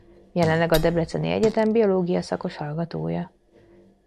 Jelenleg a Debreceni Egyetem biológia szakos hallgatója.